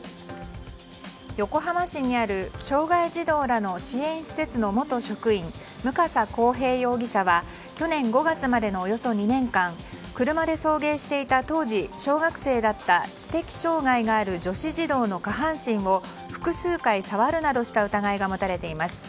横浜市にある障害児童らの支援施設の元職員向笠浩平容疑者は去年５月までのおよそ２年間車で送迎していた当時小学生だった知的障害のある女子児童の下半身を複数回触るなどした疑いが持たれています。